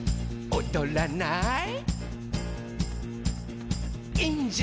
「おどらない？」